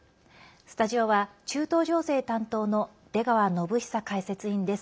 スタジオは、中東情勢担当の出川展恒解説委員です。